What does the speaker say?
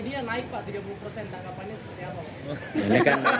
jadi itu tak mungkin